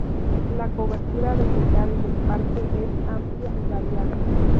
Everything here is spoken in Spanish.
La cobertura vegetal del parque es amplia y variada.